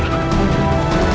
ke itu ramagan